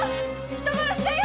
人殺しだよ！